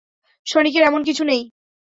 সনিকের এমন কিছু নেই।